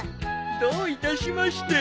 どういたしまして。